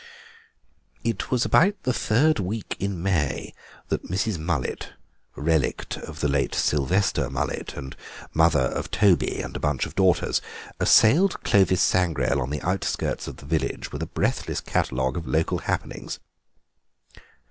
It was about the third week in May that Mrs. Mullet, relict of the late Sylvester Mullet, and mother of Toby and a bunch of daughters, assailed Clovis Sangrail on the outskirts of the village with a breathless catalogue of local happenings.